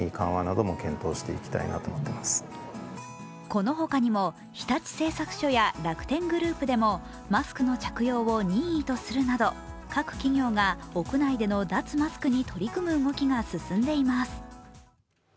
この他にも日立製作所や楽天グループでもマスクの着用を任意とするなど、各企業が屋内での脱マスクに取り組む動きが進んでいます。